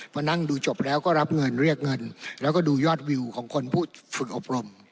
มานั่งดูจบแล้วก็รับเงินเรียกเงินแล้วก็ดูยอดวิวของคนผู้ฝึกอบรม